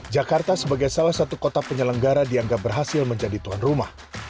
jakarta sebagai salah satu kota penyelenggara dianggap berhasil menjadi tuan rumah